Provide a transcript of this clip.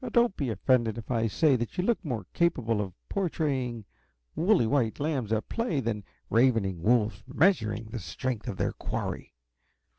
Don't be offended if I say that you look more capable of portraying woolly white lambs at play than ravening wolves measuring the strength of their quarry.